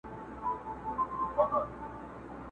که څوک وږي که ماړه دي په کورونو کي بندیان دي!.